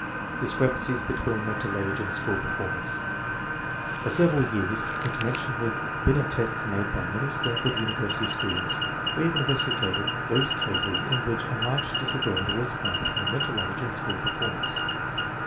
Discrepancies between mental age and school per formance. For several years, in connection with Binet tests made by many Stanford University students, we have investigated those cases in which a marked dis agreement was found between mental age and school performance.